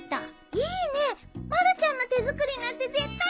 いいねまるちゃんの手作りなんて絶対うれしいよ。